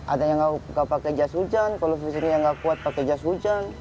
ada yang nggak pakai jas hujan kalau fisiknya nggak kuat pakai jas hujan